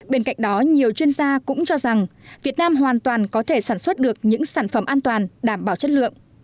bên cạnh đó nhiều chuyên gia cũng cho rằng việt nam hoàn toàn có thể sản xuất được những sản phẩm an toàn đảm bảo chất lượng